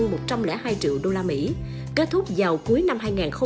với số giống lên đến hơn một trăm linh hai triệu usd kết thúc vào cuối năm hai nghìn một mươi tám